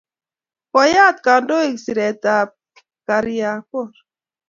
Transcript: Koyat kandoik siretab kariakor